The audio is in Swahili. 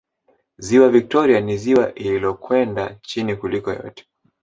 Ziwa Viktoria ni ziwa illokwenda chini kuliko yote